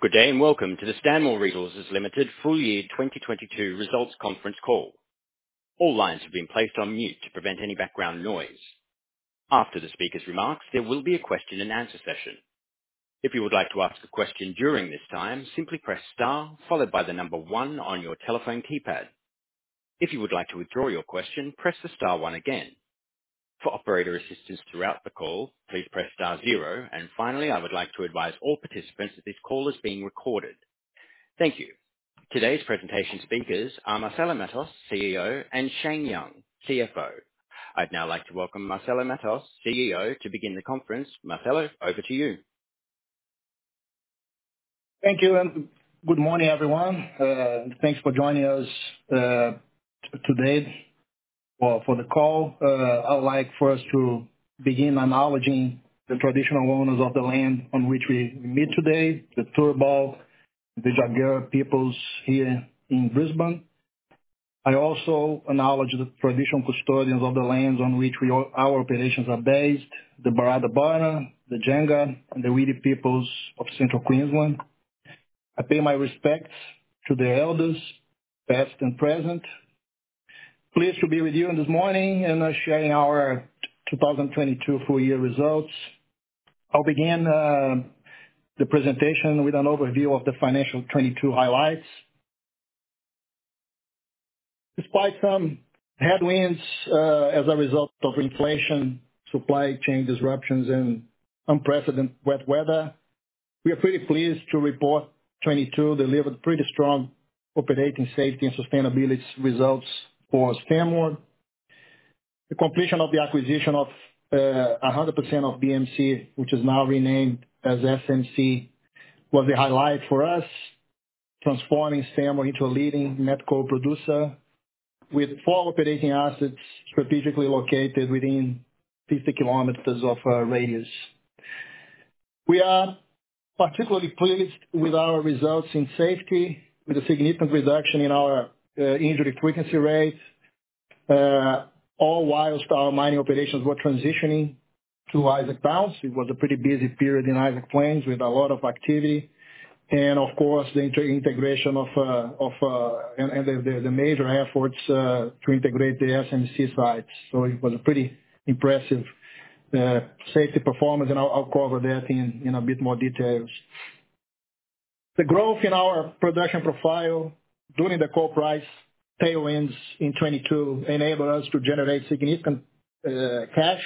Good day and welcome to the Stanmore Resources Limited Full Year 2022 Results Conference Call. All lines have been placed on mute to prevent any background noise. After the speaker's remarks, there will be a question-and-answer session. If you would like to ask a question during this time, simply press Star followed by 1 on your telephone keypad. If you would like to withdraw your question, press the Star 1 again. For operator assistance throughout the call, please press Star 0. Finally, I would like to advise all participants that this call is being recorded. Thank you. Today's presentation speakers are Marcelo Matos, CEO, and Shane Young, CFO. I'd now like to welcome Marcelo Matos, CEO, to begin the conference. Marcelo, over to you. Thank you, and good morning, everyone. Thanks for joining us today for the call. I would like for us to begin acknowledging the traditional owners of the land on which we meet today, the Turrbal and Jagera peoples here in Brisbane. I also acknowledge the traditional custodians of the lands on which our operations are based, the Barada Barna, the Jangga, and the Widi peoples of Central Queensland. I pay my respects to the elders, past and present. Pleased to be with you on this morning in sharing our 2022 full year results. I'll begin the presentation with an overview of the financial 22 highlights. Despite some headwinds, as a result of inflation, supply chain disruptions, and unprecedented wet weather, we are pretty pleased to report 22 delivered pretty strong operating safety and sustainability results for Stanmore. The completion of the acquisition of 100% of BMC, which is now renamed as SMC, was the highlight for us, transforming Stanmore into a leading net coal producer with 4 operating assets strategically located within 50 kilometers of radius. We are particularly pleased with our results in safety, with a significant reduction in our injury frequency rates, all whilst our mining operations were transitioning to Isaac Downs. It was a pretty busy period in Isaac Plains with a lot of activity. Of course, the inter-integration and the major efforts to integrate the SMC sites. It was a pretty impressive safety performance, and I'll cover that in a bit more details. The growth in our production profile during the coking coal price tailwinds in 2022 enabled us to generate significant cash,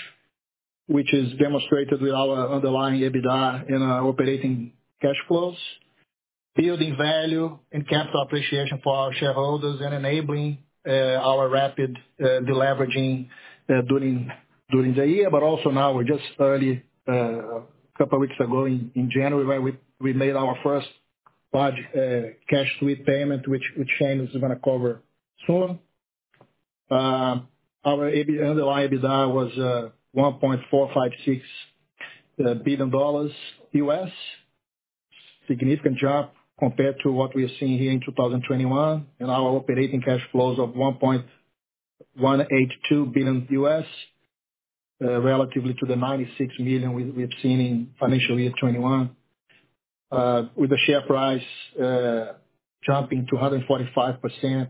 which is demonstrated with our underlying EBITDA in our operating cash flows. Building value and capital appreciation for our shareholders and enabling our rapid deleveraging during the year. Also now we're just early a couple of weeks ago in January, where we made our first large cash sweep payment, which Shane is gonna cover soon. Our underlying EBITDA was $1.456 billion U.S. Significant jump compared to what we're seeing here in 2021. Our operating cash flows of $1.182 billion U.S., relatively to the $96 million we've seen in financial year 2021. With the share price jumping 245%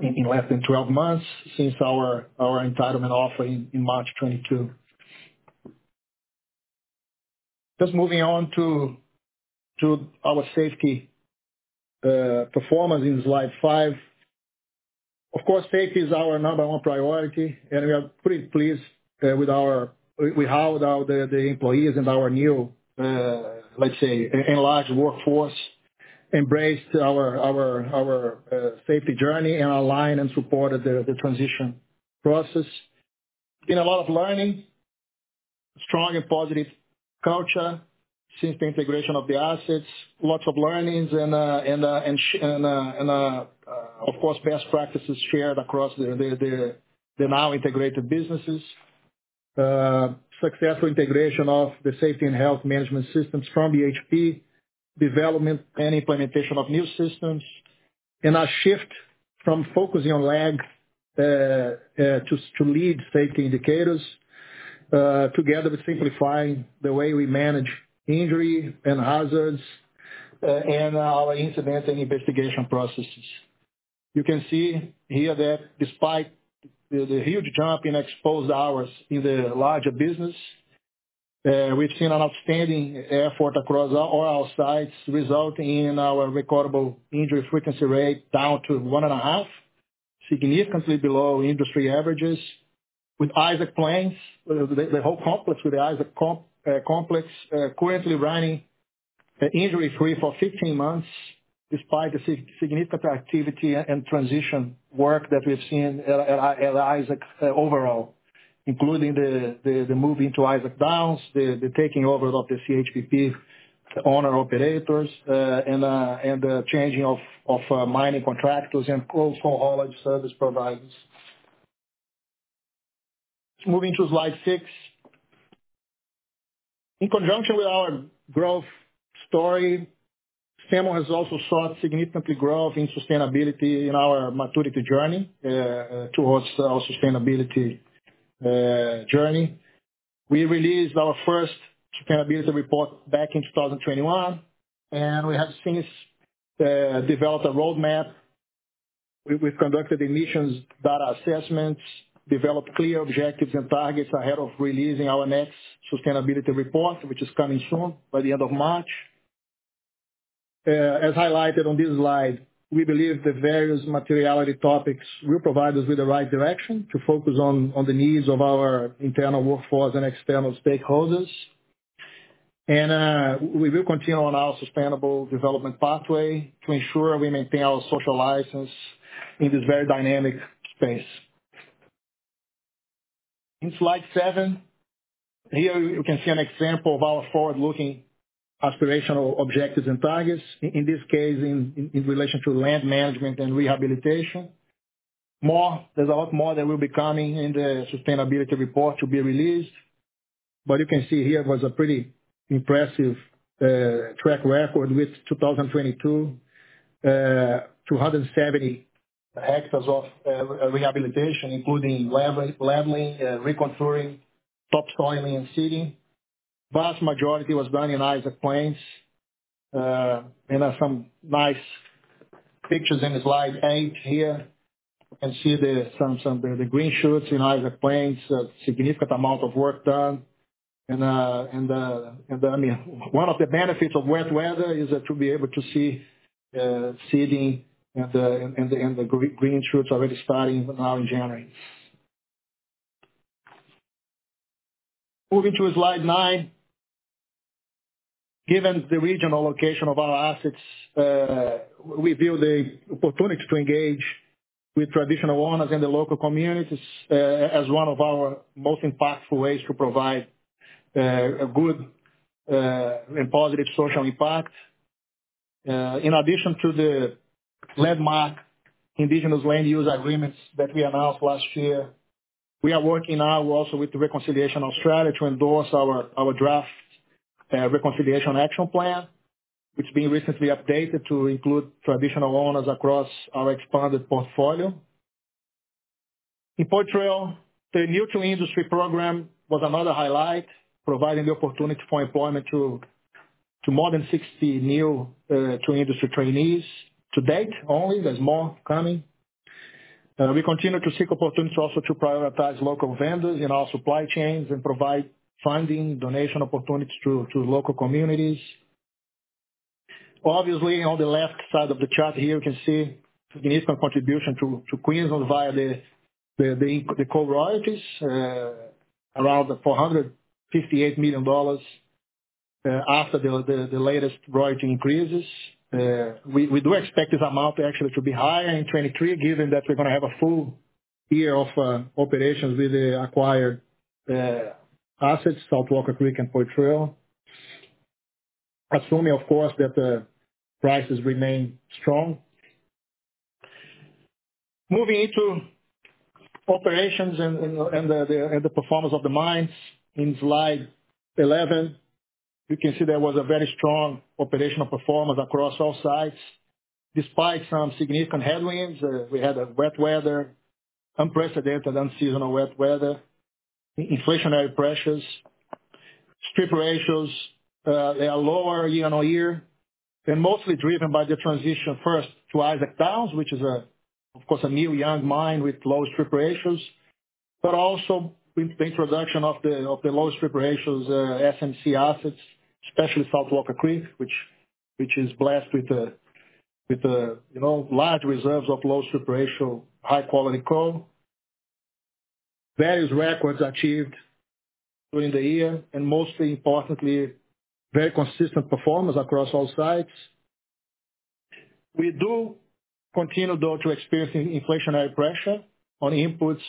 in less than 12 months since our entitlement offer in March 2022. Just moving on to our safety performance in slide 5. Of course, safety is our number 1 priority, and we are pretty pleased with our We have the employees in our new, let's say enlarged workforce embraced our safety journey and aligned and supported the transition process. Been a lot of learning. Strong and positive culture since the integration of the assets. Lots of learnings and of course, best practices shared across the now integrated businesses. Successful integration of the safety and health management systems from BHP. Development and implementation of new systems. A shift from focusing on lags to lead safety indicators, together with simplifying the way we manage injury and hazards, and our incident and investigation processes. You can see here that despite the huge jump in exposed hours in the larger business, we've seen an outstanding effort across all our sites, resulting in our recordable injury frequency rate down to 1.5, significantly below industry averages. With Isaac Plains, the whole complex, with the Isaac complex currently running injury-free for 15 months despite the significant activity and transition work that we've seen at Isaac overall, including the moving to Isaac Downs, the taking over of the CHPP owner operators, and the changing of mining contractors and also haulage service providers. Moving to slide 6. In conjunction with our growth story, Stanmore has also sought significantly growth in sustainability in our maturity journey towards our sustainability journey. We released our first sustainability report back in 2021, and we have since developed a roadmap. We've conducted emissions data assessments, developed clear objectives and targets ahead of releasing our next sustainability report, which is coming soon, by the end of March. As highlighted on this slide, we believe the various materiality topics will provide us with the right direction to focus on the needs of our internal workforce and external stakeholders. We will continue on our sustainable development pathway to ensure we maintain our social license in this very dynamic space. In slide 7, here you can see an example of our forward-looking aspirational objectives and targets, in this case, in relation to land management and rehabilitation. More There's a lot more that will be coming in the sustainability report to be released. You can see here was a pretty impressive track record with 2022, 270 hectares of rehabilitation, including leveling, recontouring, topsoiling and seeding. Vast majority was done in Isaac Plains. There's some nice pictures in slide 8 here. You can see the green shoots in Isaac Plains, a significant amount of work done. I mean, one of the benefits of wet weather is to be able to see seeding and the green shoots already starting now in January. Moving to slide 9. Given the regional location of our assets, we view the opportunity to engage with traditional owners in the local communities as one of our most impactful ways to provide a good and positive social impact. In addition to the landmark Indigenous Land Use Agreements that we announced last year, we are working now also with Reconciliation Australia to endorse our draft Reconciliation Action Plan, which been recently updated to include traditional owners across our expanded portfolio. In Poitrel, the New to Industry Program was another highlight, providing the opportunity for employment to more than 60 new to industry trainees to date only. There's more coming. We continue to seek opportunities also to prioritize local vendors in our supply chains and provide funding, donation opportunities to local communities. Obviously, on the left side of the chart here, you can see significant contribution to Queensland via the coal royalties, around $458 million, after the latest royalty increases. We do expect this amount actually to be higher in 2023, given that we're gonna have a full year of operations with the acquired assets, South Walker Creek and Poitrel. Assuming, of course, that the prices remain strong. Moving into operations and the performance of the mines in slide 11. You can see there was a very strong operational performance across all sites, despite some significant headwinds. We had a wet weather, unprecedented, unseasonal wet weather, inflationary pressures. Strip ratios, they are lower year-on-year. They're mostly driven by the transition first to Isaac Downs, which is, of course, a new young mine with low strip ratios. Also with the introduction of the low strip ratios, SMC assets, especially South Walker Creek, which is blessed with the large reserves of low strip ratio, high quality coal. Various records achieved during the year, and most importantly, very consistent performance across all sites. We do continue, though, to experience inflationary pressure on inputs,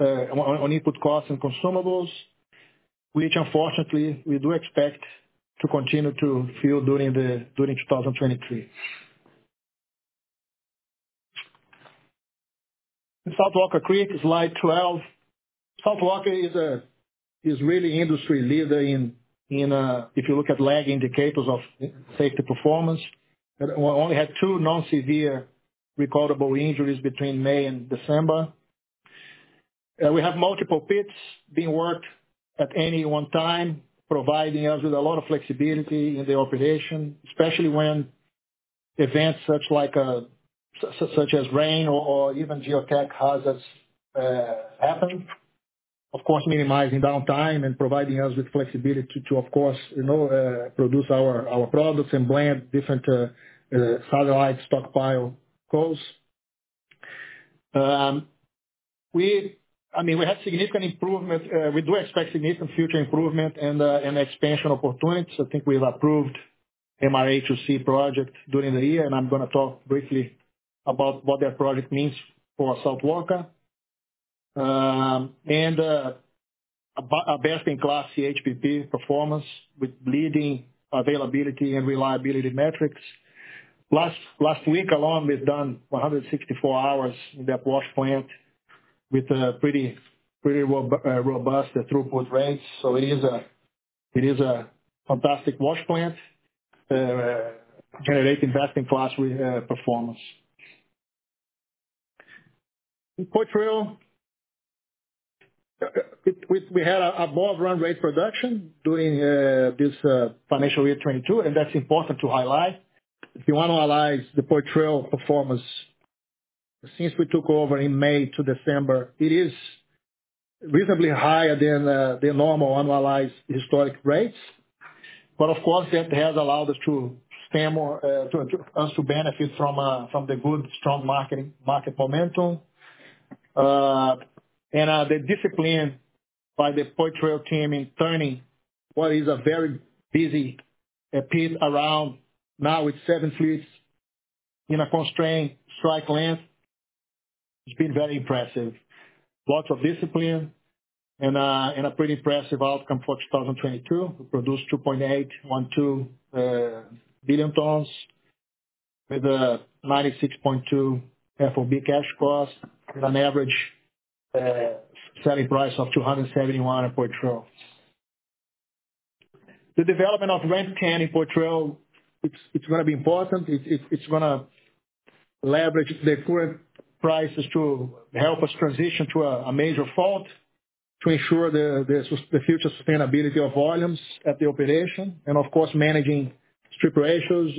on input costs and consumables, which unfortunately, we do expect to continue to feel during 2023. In South Walker Creek, slide 12. South Walker is really industry leader in, if you look at lag indicators of safety performance. Only had two non-severe recordable injuries between May and December. We have multiple pits being worked at any one time, providing us with a lot of flexibility in the operation, especially when events such as rain or even geotech hazards happen. Of course, minimizing downtime and providing us with flexibility to, of course produce our products and blend different satellite stockpile coals. I mean, we have significant improvement. We do expect significant future improvement and expansion opportunities. I think we've approved MIHC project during the year, and I'm gonna talk briefly about what that project means for South Walker. A best-in-class CHPP performance with leading availability and reliability metrics. Last week alone, we've done 164 hours in that wash plant. With a pretty robust throughput rates. It is a fantastic wash plant, generating best in class performance. In Poitrel, we had above run rate production during this financial year 2022, and that's important to highlight. If you annualize the Poitrel performance since we took over in May to December, it is reasonably higher than the normal annualized historic rates. Of course, that has allowed us to Stanmore, us to benefit from the good strong market momentum. And the discipline by the Poitrel team in turning what is a very busy pit around now with seven fleets in a constrained strike length, it's been very impressive. Lots of discipline and a pretty impressive outcome for 2022. We produced 2.812 billion tons with a 96.2 FOB cash cost and an average selling price of $271 at Poitrel. The development of Red Mountain in Poitrel, it's gonna be important. It's gonna leverage the current prices to help us transition to a major fault to ensure the future sustainability of volumes at the operation. Of course, managing strip ratios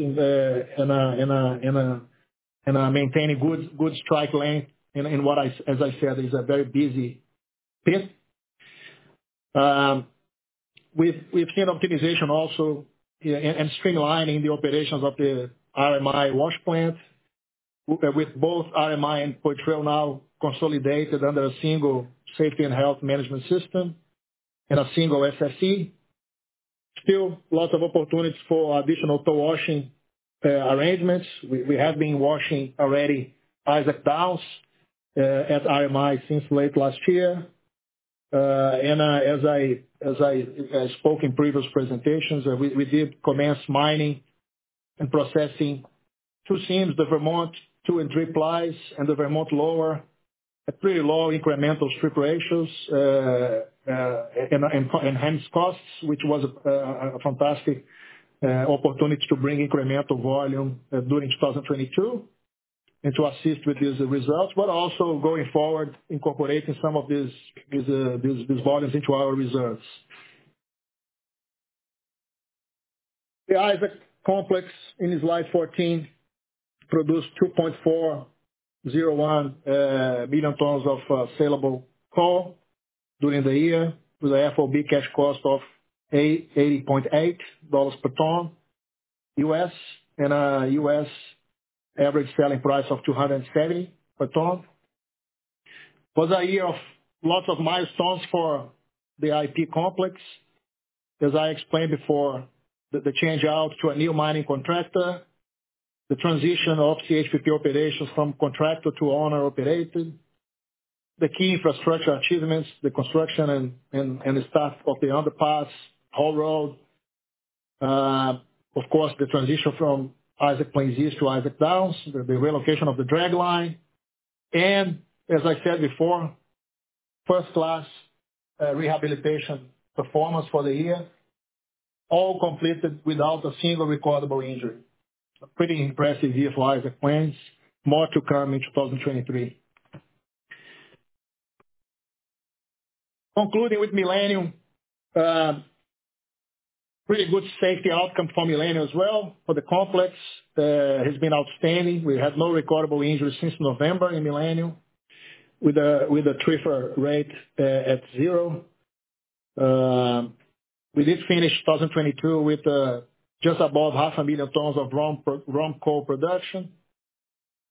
and maintaining good strike length in what I said is a very busy pit. We've seen optimization also and streamlining the operations of the RMI wash plant. With both RMI and Poitrel now consolidated under a single safety and health management system in a single SSC. Still lots of opportunities for additional tow washing arrangements. We have been washing already Isaac Downs at RMI since late last year. As I spoke in previous presentations, we did commence mining and processing two seams, the Vermont two and three plies and the Vermont Lower at pretty low incremental strip ratios and enhanced costs, which was a fantastic opportunity to bring incremental volume during 2022 and to assist with these results. Also going forward, incorporating some of these volumes into our reserves. The Isaac complex in slide 14 produced 2.401 billion tons of sellable coal during the year with an FOB cash cost of $80.8 per ton U.S. U.S. Average selling price of $270 per ton. It was a year of lots of milestones for the IP complex. As I explained before, the change out to a new mining contractor, the transition of CHPP operations from contractor to owner operated. The key infrastructure achievements, the construction and the start of the underpass, haul road. Of course, the transition from Isaac Plains East to Isaac Downs, the relocation of the drag line. As I said before, first-class rehabilitation performance for the year, all completed without a single recordable injury. A pretty impressive year for Isaac Downs. More to come in 2023. Concluding with Millennium, pretty good safety outcome for Millennium as well. For the complex has been outstanding. We had no recordable injuries since November in Millennium, with a TRIFR rate at zero. We did finish 2022 with just above half a million tons of raw coal production.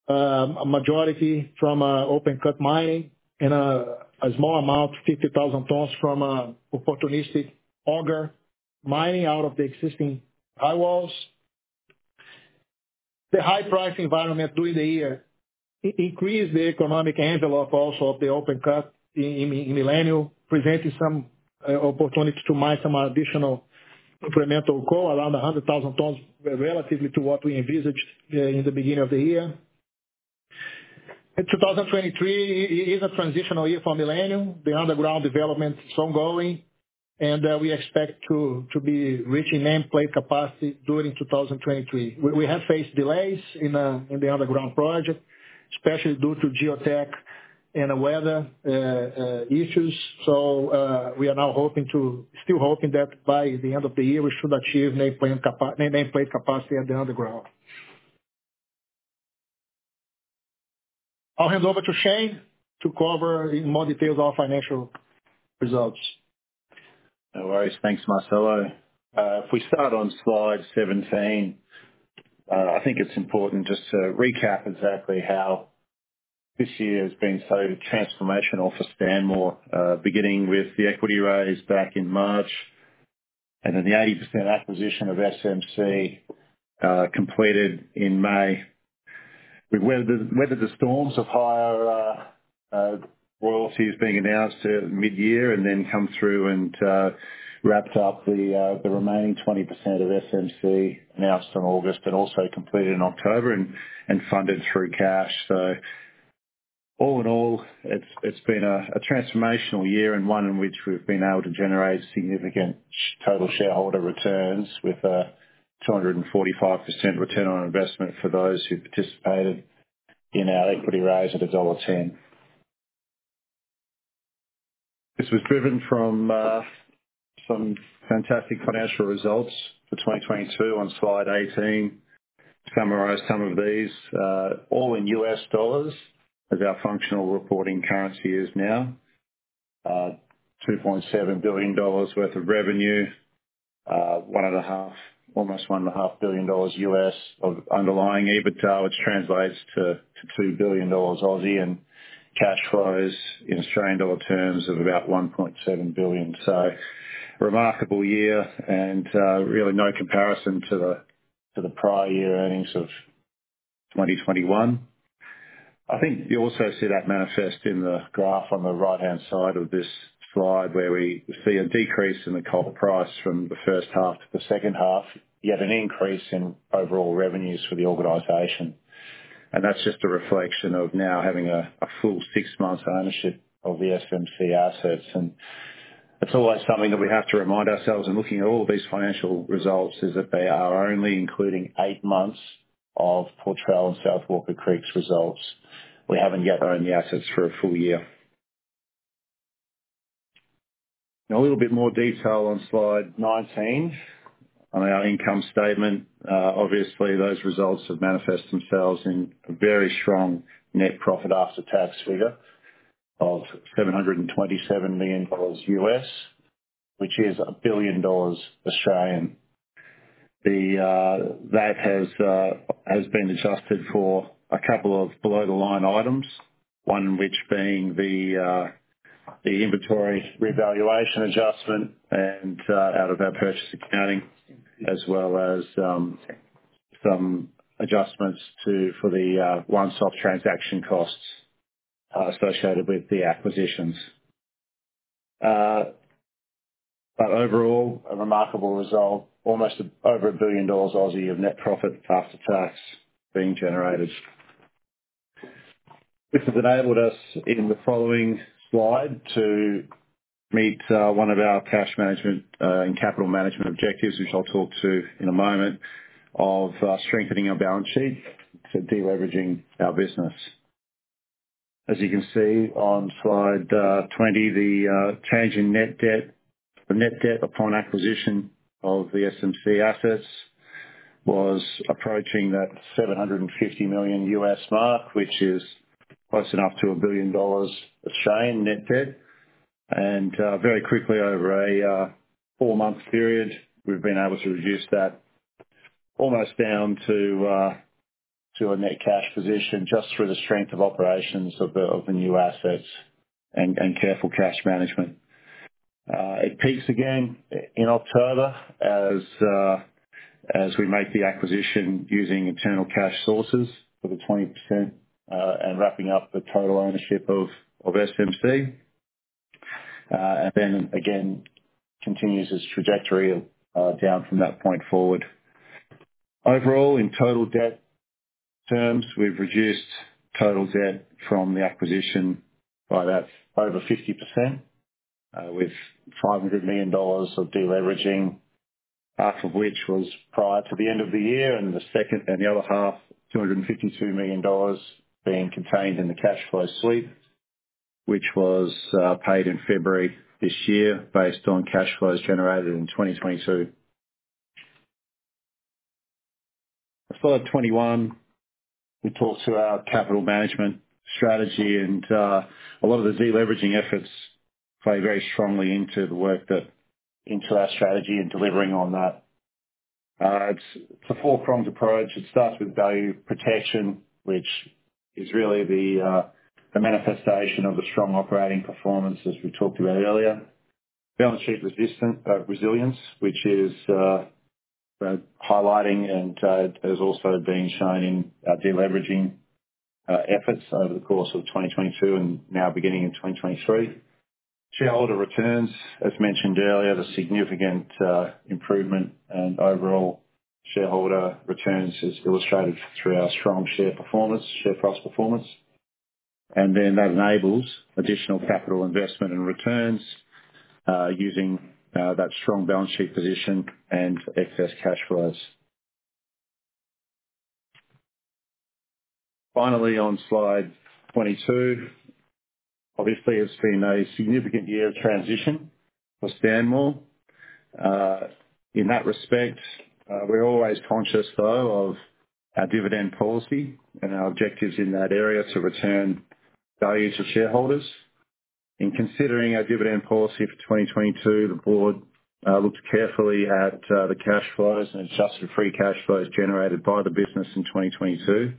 A majority from open-cut mining and a small amount, 50,000 tons from opportunistic auger mining out of the existing high walls. The high price environment during the year increased the economic envelope also of the open cut in Millennium, presenting some opportunities to mine some additional incremental coal, around 100,000 tons relatively to what we envisaged in the beginning of the year. In 2023 is a transitional year for Millennium. The underground development is ongoing. We expect to be reaching nameplate capacity during 2023. We have faced delays in the underground project, especially due to geotech and weather issues. We are now still hoping that by the end of the year, we should achieve nameplate capacity at the underground. I'll hand over to Shane to cover in more details our financial results. No worries. Thanks, Marcelo. If we start on slide 17, I think it's important just to recap exactly how this year has been so transformational for Stanmore, beginning with the equity raise back in March, and then the 80% acquisition of SMC, completed in May. We've weathered the storms of higher royalties being announced at midyear and then come through and wrapped up the remaining 20% of SMC announced in August and also completed in October and funded through cash. All in all, it's been a transformational year and one in which we've been able to generate significant total shareholder returns with a 245% return on investment for those who participated in our equity raise at $1.10. This was driven from some fantastic financial results for 2022 on slide 18. To summarize some of these, all in U.S. dollars, as our functional reporting currency is now, $2.7 billion worth of revenue, almost $1.5 billion U.S. of underlying EBITDA, which translates to 2 billion Aussie dollars and cash flows in Australian dollar terms of about 1.7 billion. Remarkable year and really no comparison to the prior year earnings of 2021. I think you also see that manifest in the graph on the right-hand side of this slide, where we see a decrease in the coking coal price from the H1 to the H2, yet an increase in overall revenues for the organization. That's just a reflection of now having a full six months ownership of the SMC assets. It's always something that we have to remind ourselves in looking at all of these financial results is that they are only including eight months of Poitrel and South Walker Creek's results. We haven't yet owned the assets for a full year. A little bit more detail on slide 19 on our income statement. Obviously those results have manifest themselves in a very strong net profit after tax figure of $727 million, which is 1 billion dollars. That has been adjusted for a couple of below-the-line items, one which being the inventory revaluation adjustment and out of our purchase accounting, as well as some adjustments for the one-stop transaction costs associated with the acquisitions. Overall, a remarkable result, almost over 1 billion dollars of net profit after tax being generated. This has enabled us in the following slide to meet one of our cash management and capital management objectives, which I'll talk to in a moment, of strengthening our balance sheet to deleveraging our business. As you can see on slide 20, the change in net debt. The net debt upon acquisition of the Stanmore SMC assets was approaching that $750 million U.S. mark, which is close enough to 1 billion dollars net debt. Very quickly, over a four-month period, we've been able to reduce that almost down to a net cash position just through the strength of operations of the new assets and careful cash management. It peaks again in October as we make the acquisition using internal cash sources for the 20%, and wrapping up the total ownership of SMC, and then again continues its trajectory down from that point forward. Overall, in total debt terms, we've reduced total debt from the acquisition by about over 50%, with $500 million of deleveraging, half of which was prior to the end of the year, and the other half, $252 million being contained in the cash flow sweep, which was paid in February this year based on cash flows generated in 2022. Slide 21, we talk to our capital management strategy and a lot of the deleveraging efforts play very strongly into our strategy in delivering on that. It's a four prongs approach. It starts with value protection, which is really the manifestation of a strong operating performance as we talked about earlier. Balance sheet resistant resilience, which is highlighting and has also been shown in our deleveraging efforts over the course of 2022 and now beginning in 2023. Shareholder returns, as mentioned earlier, the significant improvement and overall shareholder returns is illustrated through our strong share performance, share price performance. That enables additional capital investment and returns, using that strong balance sheet position and excess cash flows. Finally, on slide 22, obviously it's been a significant year of transition for Stanmore. In that respect, we're always conscious though of our dividend policy and our objectives in that area to return value to shareholders. In considering our dividend policy for 2022, the board looked carefully at the cash flows and adjusted free cash flows generated by the business in 2022.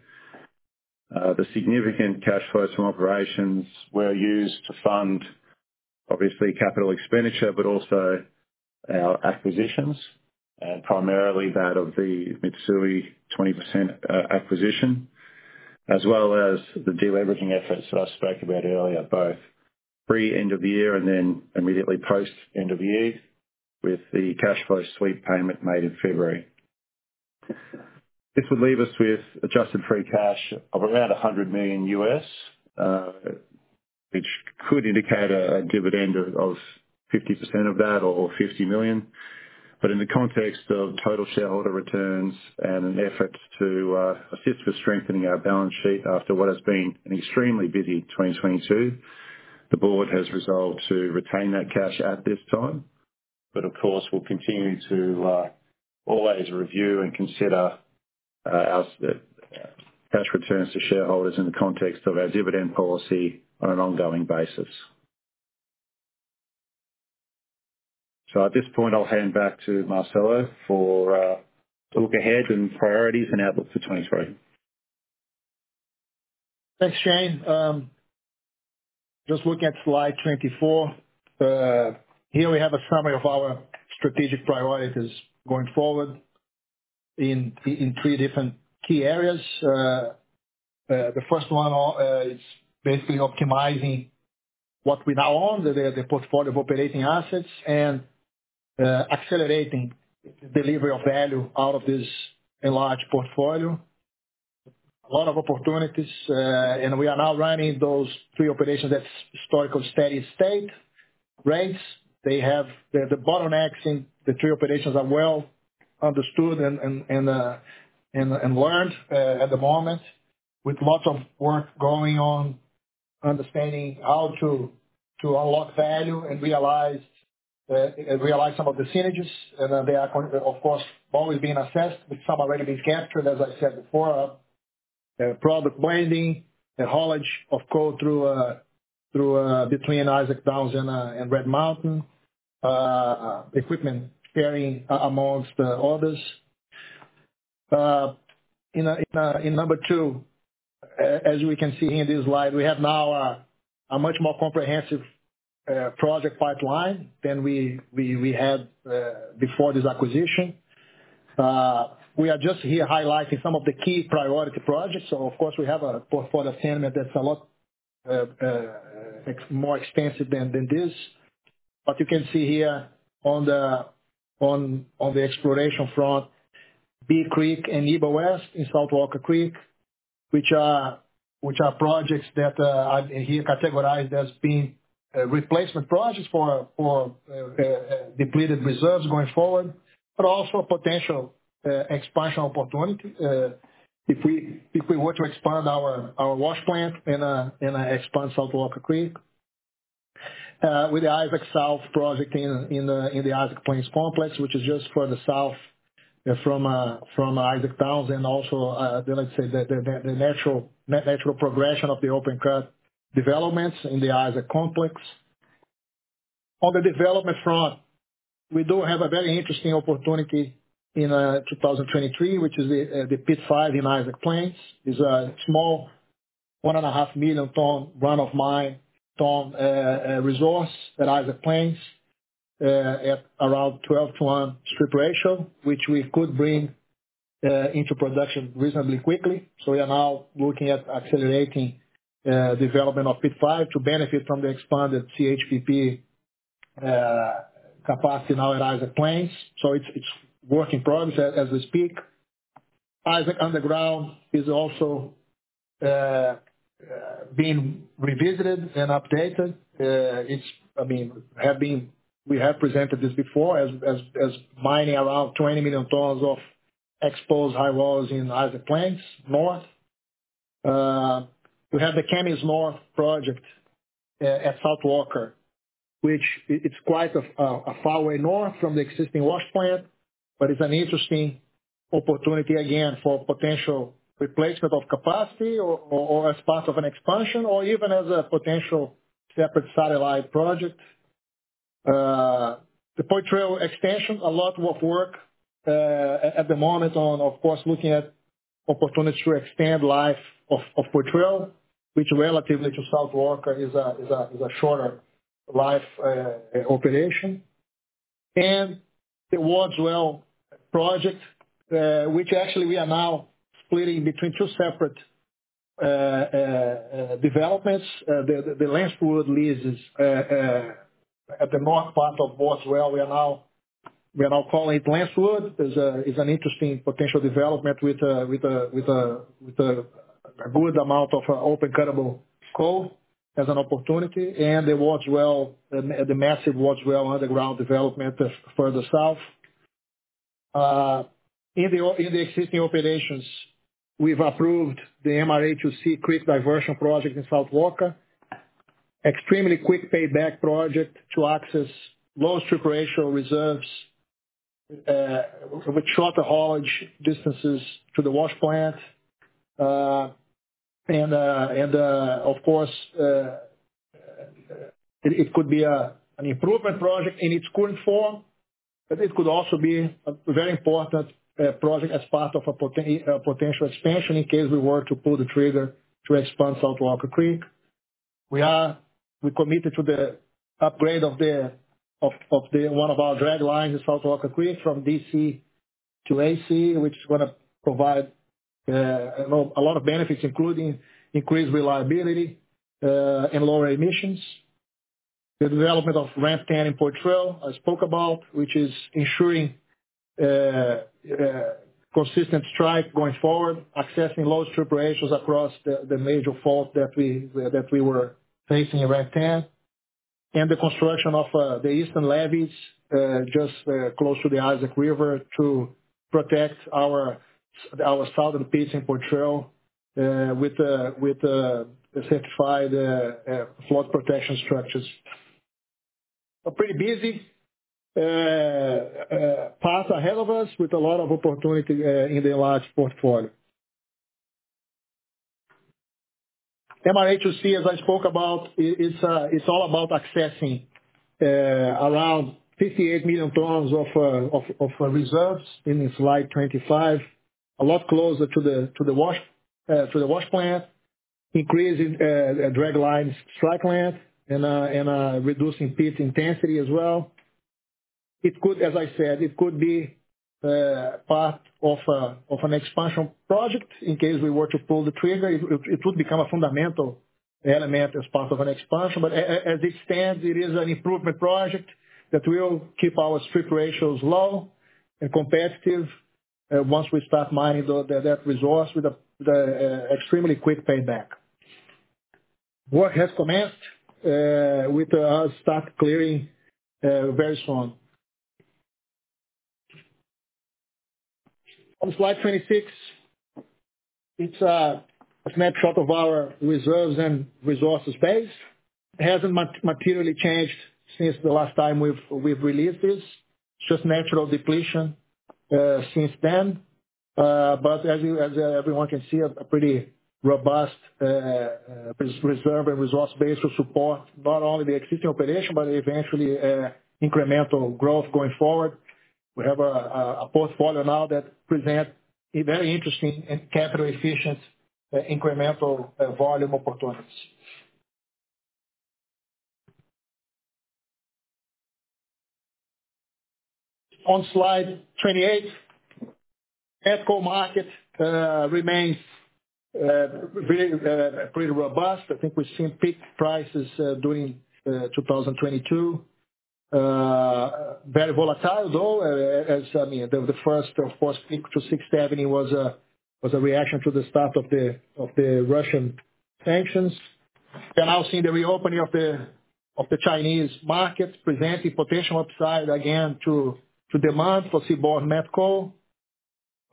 The significant cash flows from operations were used to fund obviously capital expenditure, but also our acquisitions and primarily that of the Mitsui 20% acquisition, as well as the deleveraging efforts that I spoke about earlier, both pre-end of year and immediately post-end of year with the cash flow sweep payment made in February. This would leave us with adjusted free cash of around $100 million, which could indicate a dividend of 50% of that or $50 million. In the context of total shareholder returns and an effort to assist with strengthening our balance sheet after what has been an extremely busy 2022, the board has resolved to retain that cash at this time. Of course, we'll continue to always review and consider our cash returns to shareholders in the context of our dividend policy on an ongoing basis. At this point, I'll hand back to Marcelo for to look ahead and priorities and outlook for 2023. Thanks, Shane. Just looking at slide 24. Here we have a summary of our strategic priorities going forward in three different key areas. The first one is basically optimizing what we now own, the portfolio of operating assets and accelerating delivery of value out of this enlarged portfolio. A lot of opportunities, and we are now running those three operations at historical steady state rates. They have the bottlenecks in the three operations are well understood and learned at the moment, with lots of work going on understanding how to unlock value and realize some of the synergies. They are of course, always being assessed, with some already being captured, as I said before. Product blending, the haulage of coal through, between Isaac Downs and Red Mountain, equipment sharing amongst others. In number two, as we can see here in this slide, we have now a much more comprehensive project pipeline than we had before this acquisition. We are just here highlighting some of the key priority projects. Of course we have a portfolio statement that's a lot, it's more extensive than this. But you can see here on the exploration front, Bee Creek and Eba West in South Walker Creek, which are projects that are here categorized as being replacement projects for depleted reserves going forward. Also a potential expansion opportunity, if we were to expand our wash plant and expand South Walker Creek. With the Isaac South project in the Isaac Plains complex, which is just further south from Isaac Downs and also, let's say the natural progression of the open cut developments in the Isaac complex. On the development front, we do have a very interesting opportunity in 2023, which is the pit 5 in Isaac Plains. It's a small 1.5 million ton run of mine resource at Isaac Plains, at around 12 to 1 strip ratio, which we could bring into production reasonably quickly. We are now looking at accelerating development of pit five to benefit from the expanded CHPP capacity now at Isaac Plains. It's work in progress as we speak. Isaac Underground is also being revisited and updated. It's, I mean, We have presented this before as mining around 20 million tons of exposed high walls in Isaac Plains North. We have the Kemmis North project at South Walker, which it's quite far away north from the existing wash plant. It's an interesting opportunity, again, for potential replacement of capacity or as part of an expansion or even as a potential separate satellite project. The Poitrel extension, a lot of work at the moment on, of course, looking at opportunities to expand life of Poitrel. Relatively to South Walker is a shorter life operation. The Wardwell project, which actually we are now splitting between two separate developments. The Lancewood leases at the north part of Wardwell, we are now calling it Lancewood, is an interesting potential development with a good amount of open cuttable coal as an opportunity. The Wardwell, the massive Wardwell underground development further south. In the existing operations, we've approved the MRHC creek diversion project in South Walker. Extremely quick payback project to access low strip ratio reserves with shorter haulage distances to the wash plant. It could be an improvement project in its current form, but it could also be a very important project as part of a potential expansion in case we were to pull the trigger to expand South Walker Creek. We're committed to the upgrade of one of our draglines in South Walker Creek from DC to AC, which is gonna provide a lot of benefits, including increased reliability and lower emissions. The development of Ramp 10 in Poitrel, I spoke about, which is ensuring consistent strike going forward, accessing low strip ratios across the major fault that we were facing in Ramp 10. The construction of the eastern levees, just close to the Isaac River to protect our southern pits in Poitrel, with the certified flood protection structures. A pretty busy path ahead of us with a lot of opportunity in the large portfolio. MIH2C, as I spoke about, it's all about accessing around 58 million tons of reserves in slide 25. A lot closer to the wash plant, increasing dragline strike length and reducing pit intensity as well. It could, as I said, it could be part of an expansion project. In case we were to pull the trigger, it would become a fundamental element as part of an expansion. As it stands, it is an improvement project that will keep our strip ratios low and competitive, once we start mining that resource with the extremely quick payback. Work has commenced, with start clearing very soon. On slide 26, it's a snapshot of our reserves and resources base. It hasn't materially changed since the last time we've released this. It's just natural depletion since then. As everyone can see, a pretty robust reserve and resource base to support not only the existing operation but eventually, incremental growth going forward. We have a portfolio now that present a very interesting and capital efficient incremental volume opportunities. On slide 28. Met coal market remains very pretty robust. I think we've seen peak prices during 2022. Very volatile, though, as, I mean, the first of course peak to $670 was a reaction to the start of the Russian sanctions. We're now seeing the reopening of the Chinese markets presenting potential upside again to demand for seaborne met coal.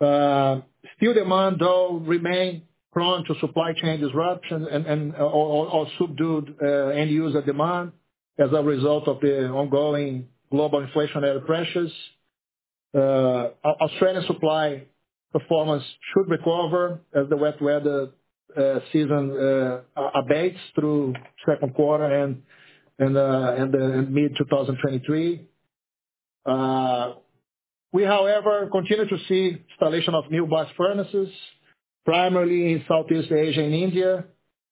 Still demand though remain prone to supply chain disruption and, or subdued end user demand as a result of the ongoing global inflationary pressures. Australian supply performance should recover as the wet weather season abates through Q2 and mid 2023. We, however, continue to see installation of new blast furnaces, primarily in Southeast Asia and India,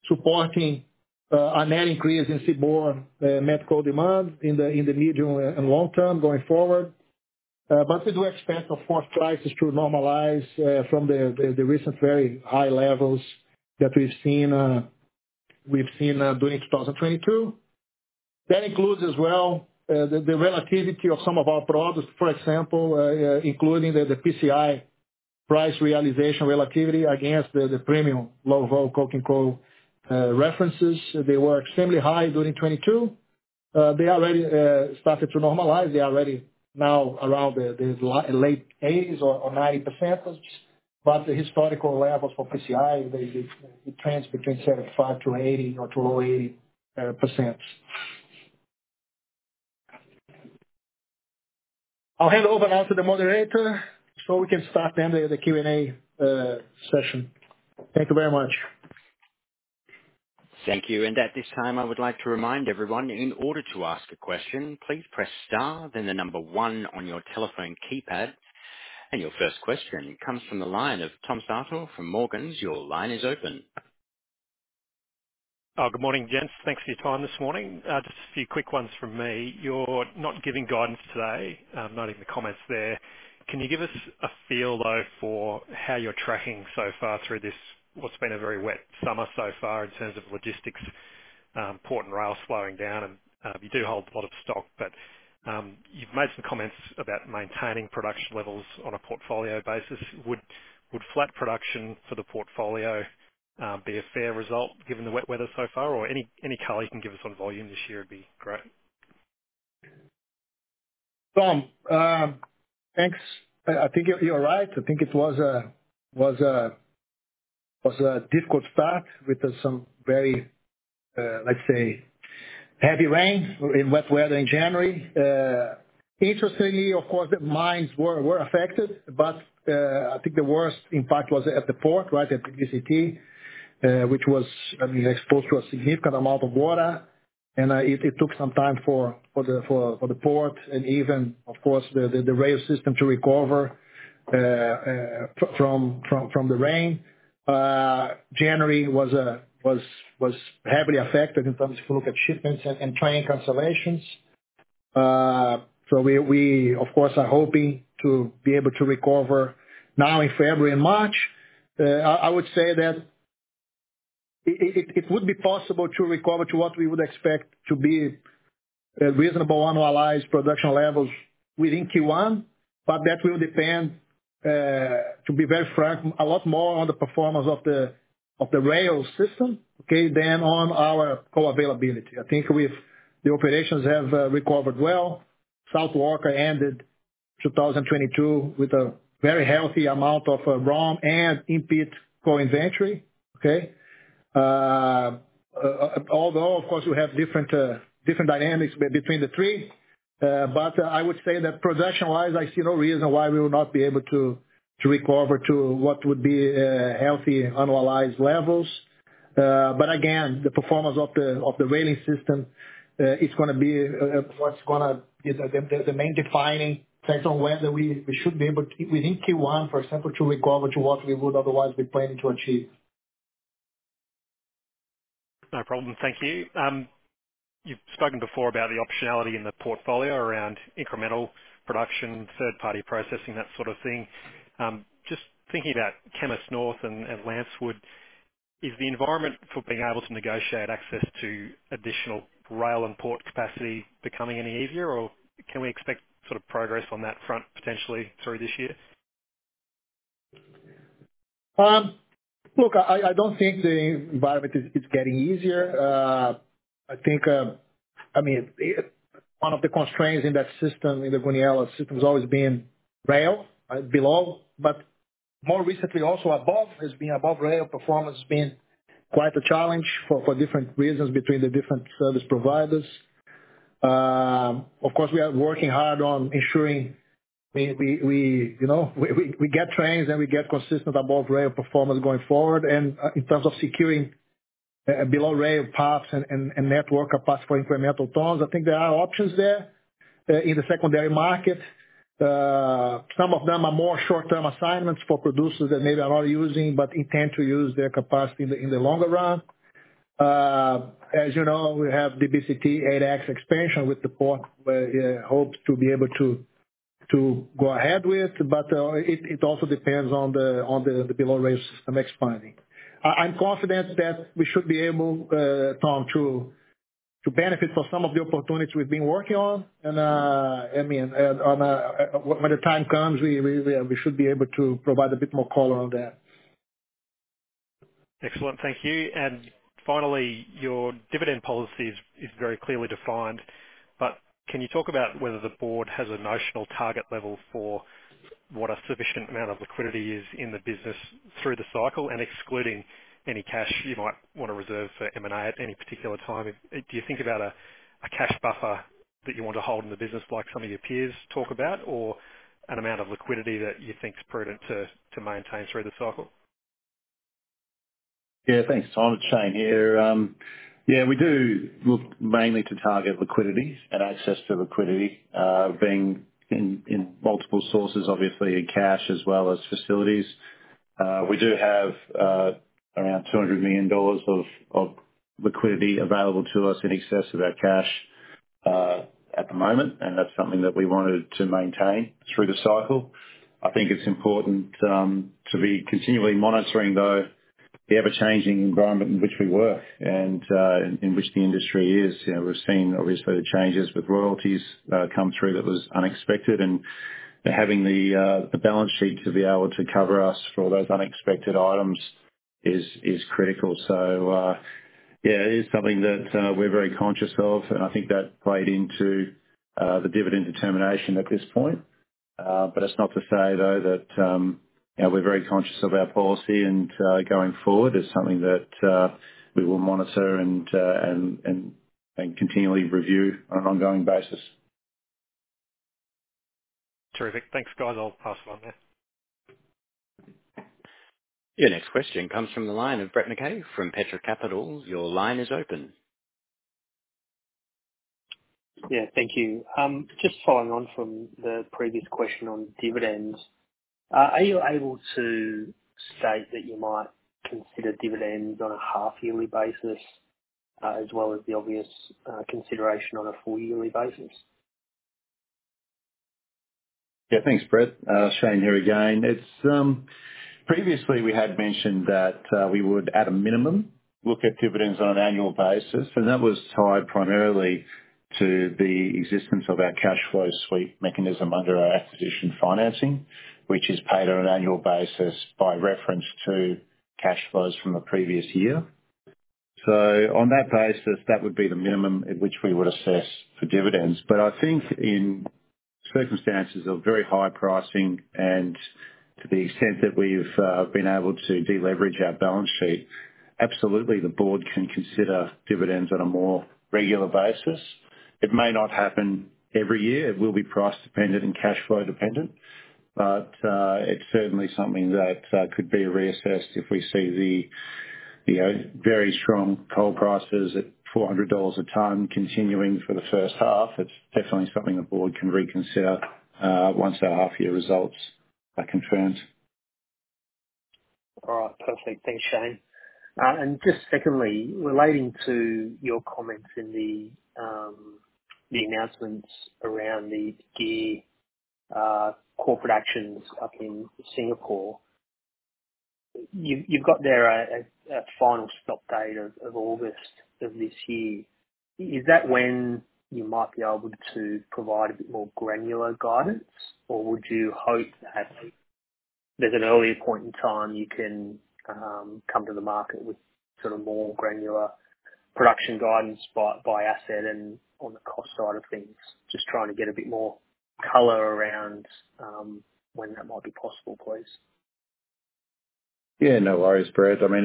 supporting a net increase in seaborne met coal demand in the medium and long term going forward. We do expect of course prices to normalize from the recent very high levels that we've seen during 2022. That includes as well the relativity of some of our products, for example, including the PCI price realization relativity against the premium low-vol coking coal references. They were extremely high during 2022. They already started to normalize. They already now around the late eighties or 90%. The historical levels for PCI, it trends between 75%-80% or to low 80%. I'll hand over now to the moderator, so we can start then the Q&A session. Thank you very much. Thank you. At this time, I would like to remind everyone, in order to ask a question, please press star then 1 on your telephone keypad. Your first question comes from the line of Tom Sartor from Morgans. Your line is open. Good morning, gents. Thanks for your time this morning. Just a few quick ones from me. You're not giving guidance today, noting the comments there. Can you give us a feel though for how you're tracking so far through this, what's been a very wet summer so far in terms of logistics, port and rail slowing down and, you do hold a lot of stock, but, you've made some comments about maintaining production levels on a portfolio basis. Would flat production for the portfolio be a fair result given the wet weather so far? Or any color you can give us on volume this year would be great. Tom, thanks. I think you're right. I think it was a difficult start with some very, let's say, heavy rain and wet weather in January. Interestingly, of course, the mines were affected, but I think the worst impact was at the port, right at DBCT, which was, I mean, exposed to a significant amount of water. It took some time for the port and even, of course, the rail system to recover from the rain. January was heavily affected in terms if you look at shipments and train cancellations. We of course, are hoping to be able to recover now in February and March. I would say that it would be possible to recover to what we would expect to be a reasonable annualized production levels within Q1. That will depend, to be very frank, a lot more on the performance of the rail system, okay, than on our co-availability. I think the operations have recovered well. South Walker ended 2022 with a very healthy amount of raw and in-pit coal inventory. Okay. Although of course we have different dynamics between the three. I would say that production-wise, I see no reason why we would not be able to recover to what would be a healthy annualized levels. Again, the performance of the railing system is gonna be what's gonna be the main defining factor on whether we should be able to within Q1, for example, to recover to what we would otherwise be planning to achieve. No problem. Thank you. You've spoken before about the optionality in the portfolio around incremental production, third-party processing, that sort of thing. Just thinking about Kemmis North and Lancewood, is the environment for being able to negotiate access to additional rail and port capacity becoming any easier or can we expect sort of progress on that front potentially through this year? Look, I don't think the environment is getting easier. I think, I mean, one of the constraints in that system, in the Goonyella system has always been rail below, but more recently also above. It's been above rail performance has been quite a challenge for different reasons between the different service providers. Of course, we are working hard on ensuring we we get trains and we get consistent above rail performance going forward. In terms of securing below rail paths and network paths for incremental tons, I think there are options there in the secondary market. Some of them are more short-term assignments for producers that maybe are not using but intend to use their capacity in the longer run. As, we have DBCT 8X Expansion expansion with the port where hopes to be able to go ahead with. It also depends on the below rail system expanding. I'm confident that we should be able, Tom, to benefit for some of the opportunities we've been working on. I mean, when the time comes, we should be able to provide a bit more color on that. Excellent. Thank you. Finally, your dividend policy is very clearly defined, but can you talk about whether the board has a notional target level for what a sufficient amount of liquidity is in the business through the cycle and excluding any cash you might want to reserve for M&A at any particular time? Do you think about a cash buffer that you want to hold in the business like some of your peers talk about, or an amount of liquidity that you think is prudent to maintain through the cycle? Yeah. Thanks, Tom. It's Shane here. Yeah, we do look mainly to target liquidity and access to liquidity, being in multiple sources, obviously in cash as well as facilities. We do have around $200 million of liquidity available to us in excess of our cash at the moment, and that's something that we wanted to maintain through the cycle. I think it's important to be continually monitoring though the ever-changing environment in which we work and in which the industry is., we've seen obviously the changes with royalties come through that was unexpected. Having the balance sheet to be able to cover us for all those unexpected items is critical. Yeah, it is something that, we're very conscious of, and I think that played into, the dividend determination at this point. That's not to say though that we're very conscious of our policy and, going forward is something that, we will monitor and continually review on an ongoing basis. Terrific. Thanks, guys. I'll pass along that. Your next question comes from the line of Brett McKay from Petra Capital. Your line is open. Thank you. Just following on from the previous question on dividends. Are you able to state that you might consider dividends on a half yearly basis, as well as the obvious consideration on a full yearly basis? Yeah. Thanks, Brett. Shane here again. Previously we had mentioned that we would, at a minimum, look at dividends on an annual basis. That was tied primarily to the existence of our cash flow sweep mechanism under our acquisition financing, which is paid on an annual basis by reference to cash flows from the previous year. On that basis, that would be the minimum at which we would assess for dividends. I think in circumstances of very high pricing and to the extent that we've been able to deleverage our balance sheet, absolutely the board can consider dividends on a more regular basis. It may not happen every year. It will be price dependent and cash flow dependent. It's certainly something that could be reassessed if we see the very strong coal prices at $400 a ton continuing for the H1. It's definitely something the board can reconsider, once our half year results are confirmed. All right. Perfect. Thanks, Shane. Just secondly, relating to your comments in the announcements around the GEAR corporate actions up in Singapore. You've got there a final stop date of August of this year. Is that when you might be able to provide a bit more granular guidance, or would you hope that there's an earlier point in time you can come to the market with sort of more granular production guidance by asset and on the cost side of things? Just trying to get a bit more color around when that might be possible, please. No worries, Brett. I mean,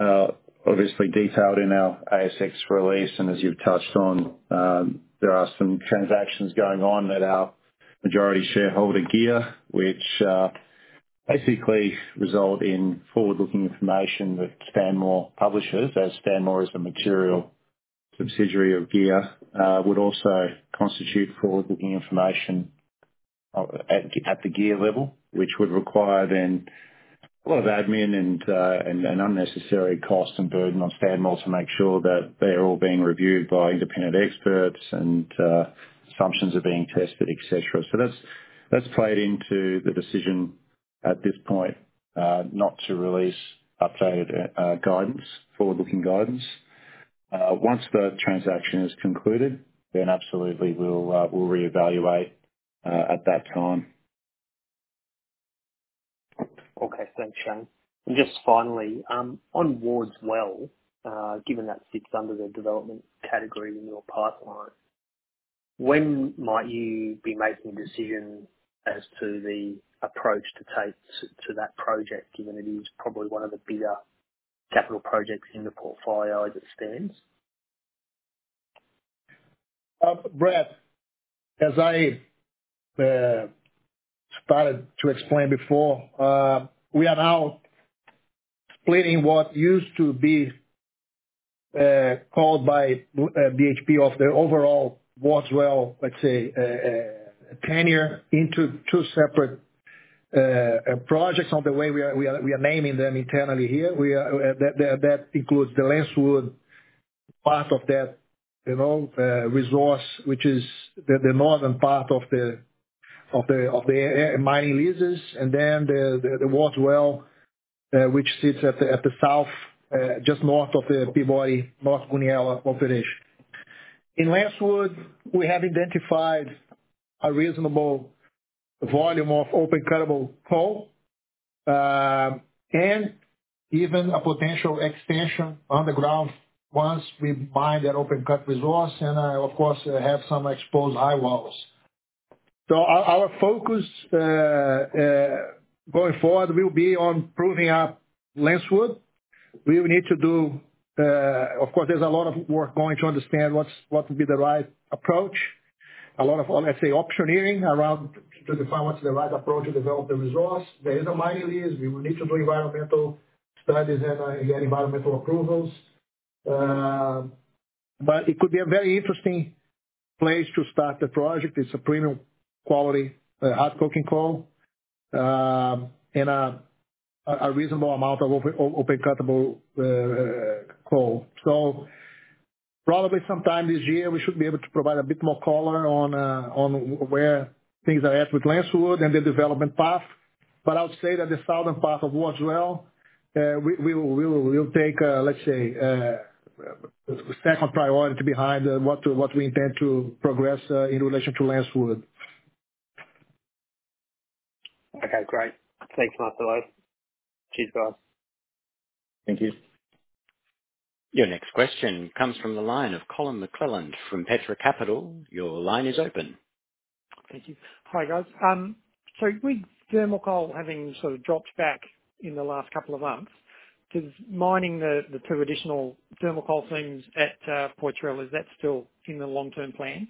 it's obviously detailed in our ASX release, and as you've touched on, there are some transactions going on at our majority shareholder, GEAR, which basically result in forward-looking information that Stanmore publishes, as Stanmore is a material subsidiary of GEAR, would also constitute forward-looking information at the GEAR level, which would require then a lot of admin and unnecessary costs and burden on Stanmore to make sure that they're all being reviewed by independent experts and assumptions are being tested, etc. That's played into the decision at this point not to release updated guidance, forward-looking guidance. Once the transaction is concluded, then absolutely we'll reevaluate at that time. Okay. Thanks, Shane. Just finally, on Wardwell, given that sits under the development category in your pipeline, when might you be making a decision as to the approach to take to that project, given it is probably one of the bigger capital projects in the portfolio as it stands? Brett, as I started to explain before, we are now splitting what used to be called by BHP of the overall Wardwell, let's say, tenure into two separate projects on the way we are naming them internally here. That includes the Lancewood part of that resource, which is the northern part of the mining leases and then the Wardwell, which sits at the south, just north of the Peabody North Goonyella operation. In Lancewood, we have identified a reasonable volume of open cuttable coal, and even a potential extension underground once we mine that open cut resource and, of course have some exposed high walls. Our focus going forward will be on proving up Lancewood. We will need to do, of course there's a lot of work going to understand what's, what would be the right approach. A lot of, let's say optioneering around to define what's the right approach to develop the resource. There is a mining lease. We will need to do environmental studies and get environmental approvals. It could be a very interesting place to start the project. It's a premium quality hard coking coal. And a reasonable amount of open cuttable coal. Probably sometime this year we should be able to provide a bit more color on where things are at with Lancewood and the development path. I would say that the southern part of Wardwell, we'll take, let's say, second priority behind what we intend to progress in relation to Lancewood. Okay, great. Thanks, Marcelo. Cheers. Bye. Thank you. Your next question comes from the line of Colin McClelland from Petra Capital. Your line is open. Thank you. Hi, guys. with thermal coal having sort of dropped back in the last couple of months, does mining the two additional thermal coal seams at, Poitrel, is that still in the long-term plan?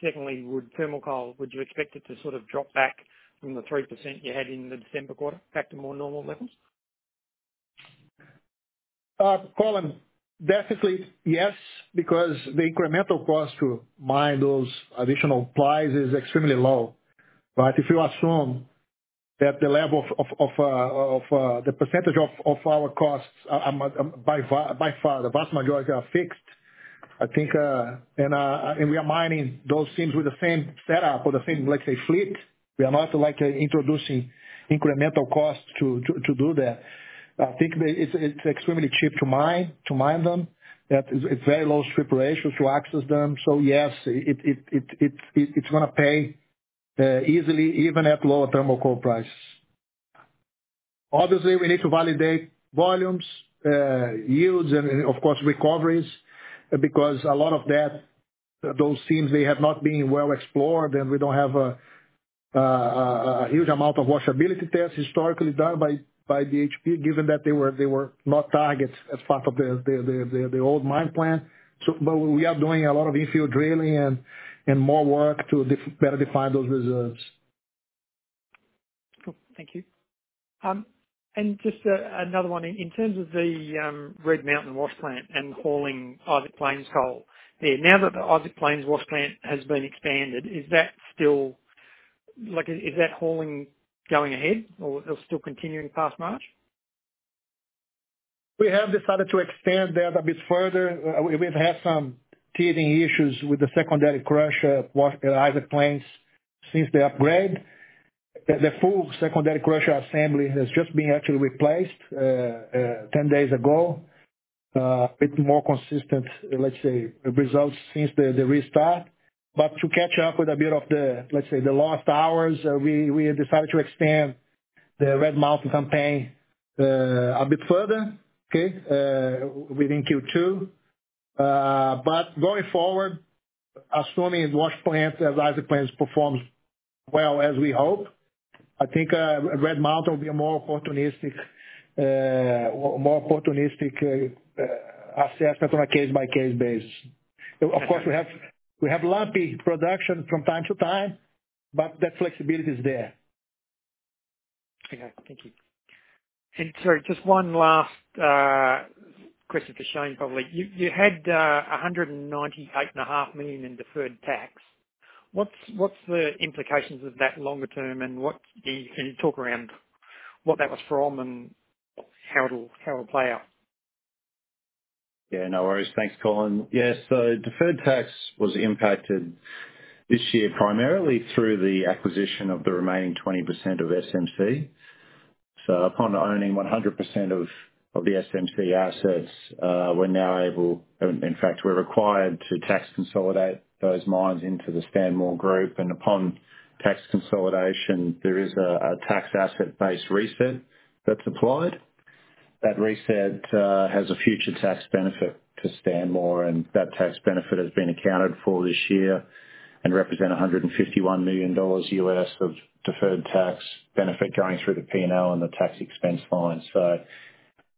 secondly, would thermal coal, would you expect it to sort of drop back from the 3% you had in the December quarter back to more normal levels? Colin, definitely yes, because the incremental cost to mine those additional supplies is extremely low. If you assume that the level of the percentage of our costs are by far the vast majority are fixed, I think, and we are mining those seams with the same setup or the same, let's say fleet. We are not like introducing incremental costs to do that. I think that it's extremely cheap to mine them. That it's very low strip ratios to access them. Yes, it's gonna pay easily even at lower thermal coal prices. Obviously we need to validate volumes, yields and of course recoveries because a lot of that, those seams, they have not been well explored and we don't have a huge amount of washability tests historically done by BHP given that they were, they were not targets as part of the old mine plan. We are doing a lot of infield drilling and more work to better define those reserves. Cool. Thank you. Just another one. In terms of the Red Mountain wash plant and hauling Isaac Plains coal, now that the Isaac Plains wash plant has been expanded, is that hauling going ahead or still continuing past March? We have decided to extend that a bit further. We've had some teething issues with the secondary crusher wash, Isaac Plants since the upgrade. The full secondary crusher assembly has just been actually replaced 10 days ago. A bit more consistent, let's say, results since the restart. To catch up with a bit of the, let's say, the lost hours, we decided to extend the Red Mountain campaign a bit further, okay, within Q2. Going forward, assuming wash plant as Isaac Plants performs well as we hope, I think Red Mountain will be a more opportunistic, more opportunistic assessment on a case-by-case basis. Of course, we have lumpy production from time to time, but that flexibility is there. Okay. Thank you. Sorry, just one last question to Shane, probably. You, you had 198.5 million in deferred tax. What's the implications of that longer term, and what can you talk around what that was from and how it'll play out? No worries. Thanks, Colin. Yes. Deferred tax was impacted this year primarily through the acquisition of the remaining 20% of SMC. Upon owning 100% of the SMC assets, we're now able, in fact, we're required to tax consolidate those mines into the Stanmore group. Upon tax consolidation, there is a tax asset-based reset that's applied. That reset has a future tax benefit to Stanmore, and that tax benefit has been accounted for this year and represent $151 million U.S. Of deferred tax benefit going through the P&L and the tax expense lines.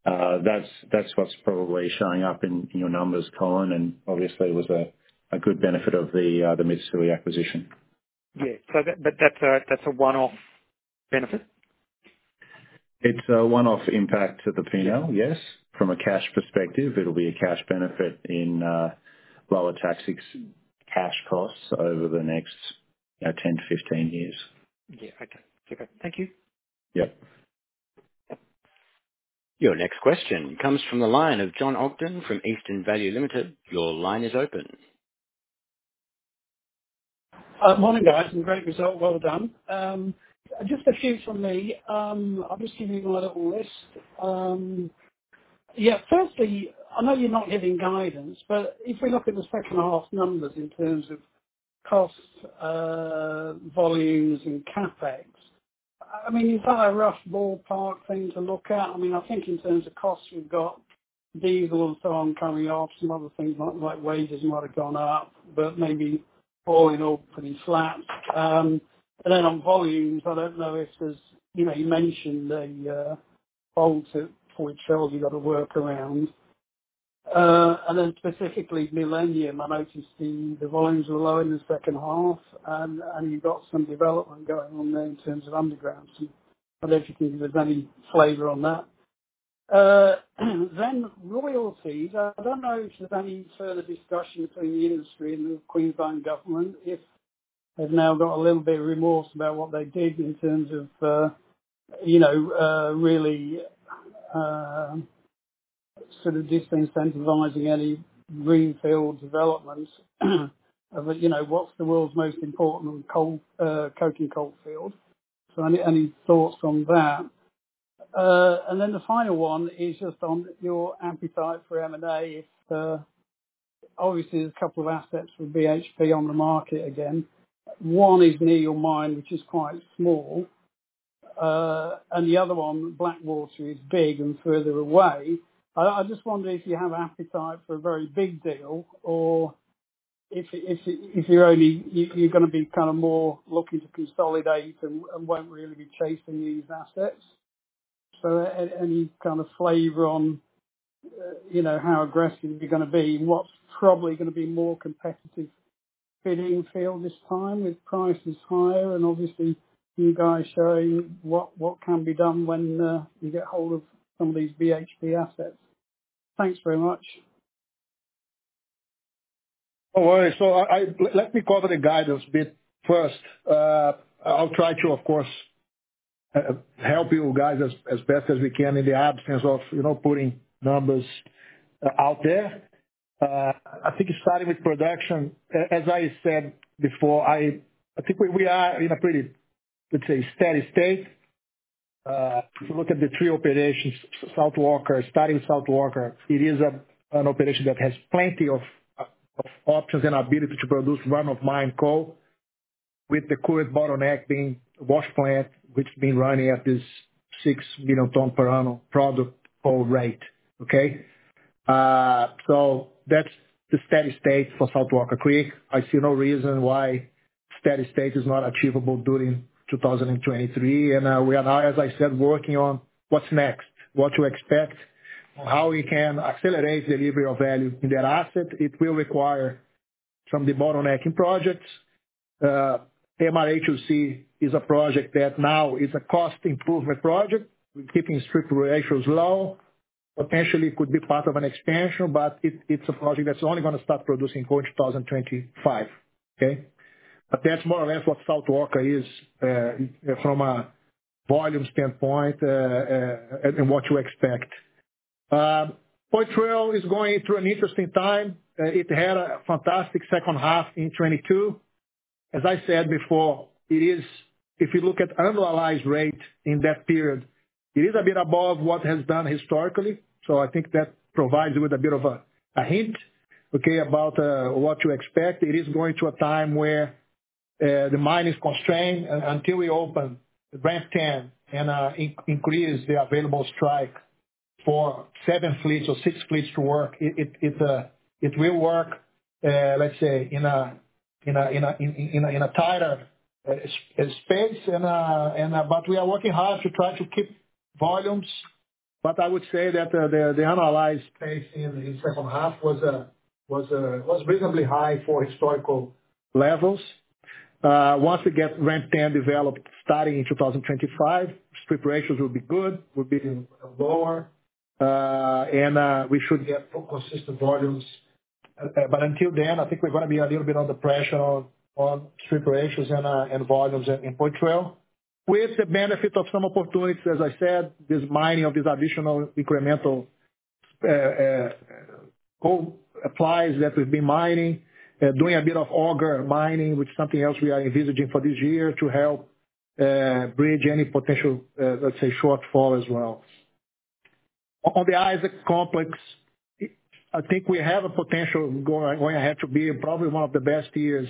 That's what's probably showing up in your numbers, Colin, and obviously was a good benefit of the mid-series acquisition. Yeah. That's a one-off benefit. It's a one-off impact to the P&L, yes. From a cash perspective, it'll be a cash benefit in lower tax ex-cash costs over the next 10-15 years. Yeah. Okay. Okay. Thank you. Yep. Your next question comes from the line of John Ogden from Eurasian Value. Your line is open. Morning, guys. Great result. Well done. Just a few from me. I'll just give you my little list. Yeah. Firstly, I know you're not giving guidance, but if we look at the H2 numbers in terms of costs, volumes and CapEx, I mean, you got a rough ballpark thing to look at. I mean, I think in terms of costs, you've got diesel and so on coming off, some other things like wages might have gone up, but maybe all in all, pretty flat. And then on volumes, I don't know if there's you mentioned the bolts at Point Shell you've got to work around. And then specifically Millennium, I noticed the volumes were low in the H2 and you've got some development going on there in terms of underground. I don't know if you can give us any flavor on that. Royalties. I don't know if there's any further discussion between the industry and the Queensland Government if they've now got a little bit of remorse about what they did in terms of really sort of disincentivizing any greenfield developments of a what's the world's most important coal, coking coal field. Any thoughts on that? The final one is just on your appetite for M&A. If, obviously, there's a couple of assets with BHP on the market again. One is near your mine, which is quite small, and the other one, Blackwater, is big and further away. I just wonder if you have appetite for a very big deal or if you're only, you're gonna be kind of more looking to consolidate and won't really be chasing these assets. Any kind of flavor on how aggressive you're gonna be and what's probably gonna be more competitive bidding field this time with prices higher and obviously you guys showing what can be done when you get hold of some of these BHP assets? Thanks very much. All right. Let me cover the guidance bit first. I'll try to, of course, help you guys as best as we can in the absence of putting numbers out there. I think starting with production, as I said before, I think we are in a pretty, let's say, steady state. If you look at the three operations, South Walker, starting South Walker, it is an operation that has plenty of options and ability to produce run-of-mine coal with the current bottleneck being wash plant, which been running at this 6 million ton per annum product coal rate. Okay? That's the steady state for South Walker Creek. I see no reason why steady state is not achievable during 2023. We are now, as I said, working on what's next, what to expect, how we can accelerate delivery of value in that asset. It will require some debottlenecking projects. MRHOC is a project that now is a cost improvement project. We're keeping strict ratios low. Potentially could be part of an expansion, but it's a project that's only gonna start producing coal in 2025. Okay? That's more or less what South Walker is from a volume standpoint and what to expect. Poitrel is going through an interesting time. It had a fantastic H2 in 2022. As I said before, it is... If you look at annualized rate in that period, it is a bit above what it has done historically, so I think that provides you with a bit of a hint, okay, about what to expect. It is going through a time where the mine is constrained until we open Ramp 10 and increase the available strike for 7 fleets or 6 fleets to work. It will work, let's say in a tighter space and. We are working hard to try to keep volumes. I would say that the analyzed pace in the H2 was reasonably high for historical levels. Once we get Ramp 10 developed starting in 2025, strip ratios will be good, will be lower. Until then, I think we're gonna be a little bit under pressure on strip ratios and volumes in Poitrel. With the benefit of some opportunities, as I said, this mining of this additional incremental coal supplies that we've been mining, doing a bit of auger mining, which is something else we are envisaging for this year to help bridge any potential let's say shortfall as well. On the Isaac complex, I think we have a potential going ahead to be probably one of the best years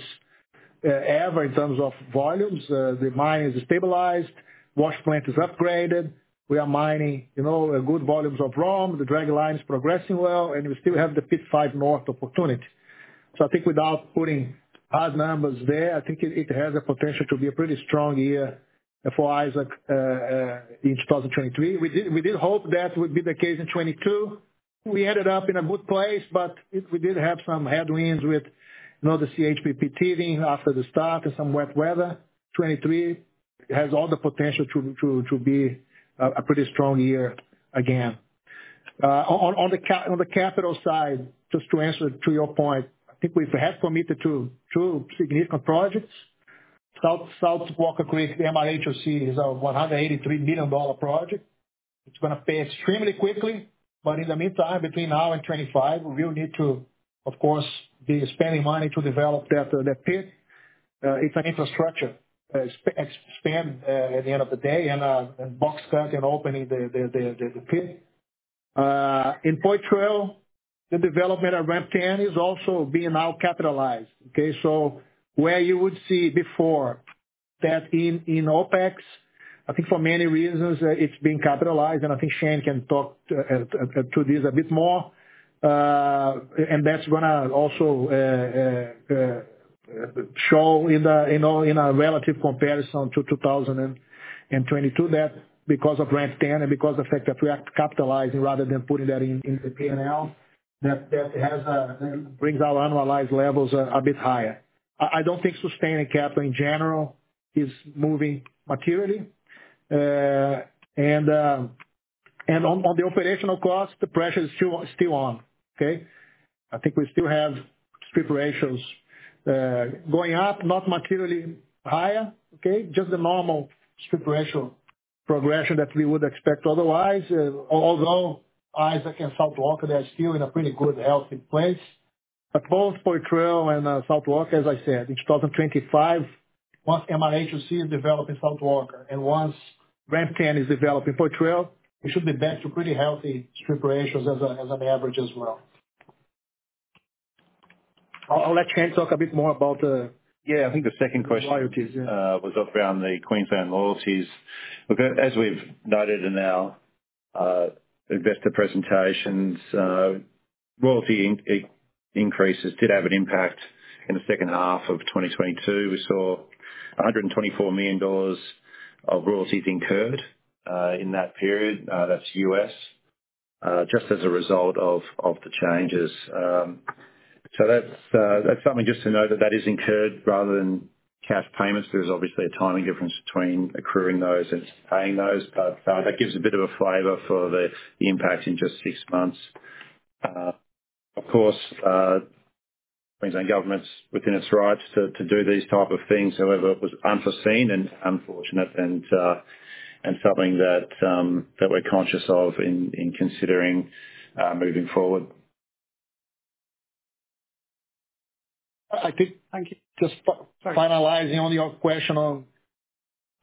ever in terms of volumes. The mine is stabilized, wash plant is upgraded. We are mining good volumes of ROM. The dragline is progressing well, and we still have the Pit 5 North opportunity. I think without putting hard numbers there, I think it has the potential to be a pretty strong year for Isaac in 2023. We did hope that would be the case in 2022. We ended up in a good place, but we did have some headwinds with the CHPP teething after the start and some wet weather. 2023 has all the potential to be a pretty strong year again. On the capital side, just to answer to your point, I think we have committed to 2 significant projects. South Walker Creek, the MIHC is a $183 million project. It's gonna pay extremely quickly. In the meantime, between now and 2025, we will need to, of course, be spending money to develop that pit. It's an infrastructure expand at the end of the day and box cut and opening the pit. In Poitrel, the development of Ramp 10 is also being now capitalized, okay? Where you would see before that in OpEx, I think for many reasons it's being capitalized, and I think Shane can talk to this a bit more. That's gonna also show in the in a relative comparison to 2022 that because of Ramp 10 and because of the fact that we are capitalizing rather than putting that into P&L, that brings our annualized levels a bit higher. I don't think sustained capital in general is moving materially. On the operational costs, the pressure is still on. Okay? I think we still have strip ratios going up, not materially higher, okay? Just the normal strip ratio progression that we would expect otherwise. Although Isaac and South Walker, they are still in a pretty good, healthy place. Both Poitrel and South Walker, as I said, in 2025, once MIHC is developed in South Walker and once Ramp 10 is developed in Poitrel, we should be back to pretty healthy strip ratios as an average as well. I'll let Shane talk a bit more about. Yeah. I think the second question- Royalties, yeah. Was around the Queensland royalties. As we've noted in our investor presentations, royalty increases did have an impact in the H2 of 2022. We saw $124 million of royalties incurred in that period. That's U.S., just as a result of the changes. That's something just to note that is incurred rather than cash payments. There's obviously a timing difference between accruing those and paying those. That gives a bit of a flavor for the impact in just six months. Of course, Queensland Government's within its rights to do these type of things. However, it was unforeseen and unfortunate and something that we're conscious of in considering moving forward. I think- Thank you. Just finalizing on your question on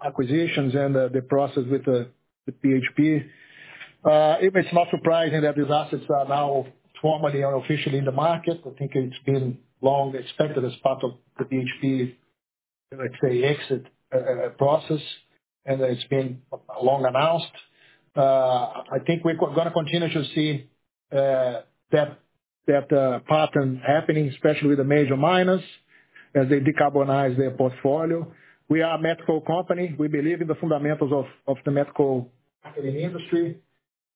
acquisitions and the process with BHP. It is not surprising that these assets are now formally unofficially in the market. I think it's been long expected as part of the BHP, let's say, exit process, and it's been long announced. I think we're gonna continue to see that pattern happening, especially with the major miners as they decarbonize their portfolio. We are a medical company. We believe in the fundamentals of the medical industry,